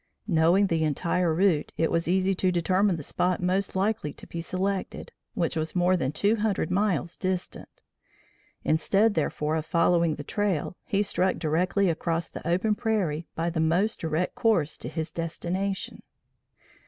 Knowing the entire route, it was easy to determine the spot most likely to be selected, which was more than two hundred miles distant. Instead, therefore, of following the trail, he struck directly across the open prairie by the most direct course to his destination.